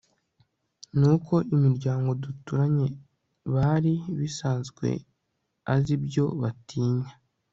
nuko imiryango duturanye bari bisanzwe azi ibyo batinyaga